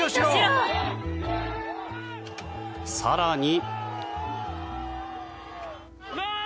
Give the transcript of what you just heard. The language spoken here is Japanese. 更に。